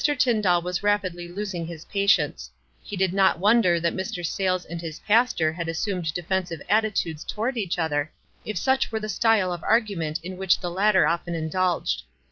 Tyndall was rapidly losing his patience. He did not wonder that Mr. Sayles and his pas tor had assumed defensive attitudes toward each ether, if such were the style of argument in which the latter often indulged.